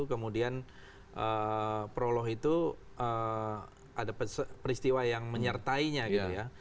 kemudian prolo itu ada peristiwa yang menyertainya gitu ya